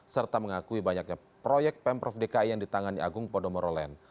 serta mengakui banyaknya proyek pemprov dki yang ditangani agung podomoro land